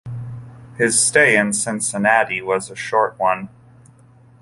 His stay in Cincinnati was a short one.